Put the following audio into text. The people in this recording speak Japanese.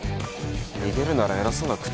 逃げるなら偉そうな口利くな。